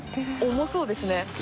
重そうですね。